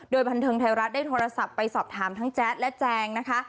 โดยบันเทิงไทยรัฐได้โทรศัพท์ไปสอบถามทั้งแจ๊ดและแจงนะคะ